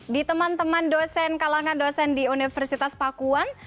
di teman teman dosen kalangan dosen di universitas pakuan